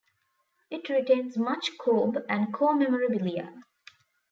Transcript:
It retains much Cobb and Co memorabilia.